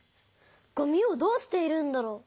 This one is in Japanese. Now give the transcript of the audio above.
ごみをどうしているんだろう？